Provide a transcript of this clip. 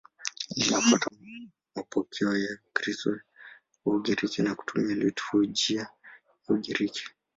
Linafuata mapokeo ya Ukristo wa Ugiriki na kutumia liturujia ya Ugiriki.